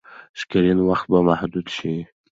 سکرین وخت به محدود شي.